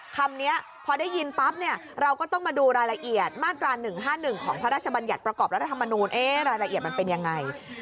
คำนี้พอได้ยินปั๊บเนี่ยเราก็ต้องมาดูรายละเอียดมาตรา๑๕๑ของพระราชบัญญัติประกอบรัฐธรรมนูลรายละเอียดมันเป็นยังไง